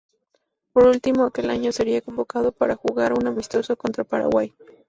Por último aquel año sería convocado para jugar un amistoso contra Paraguay.